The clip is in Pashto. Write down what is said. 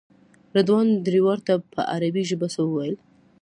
رضوان ډریور ته په عربي ژبه څه وویل.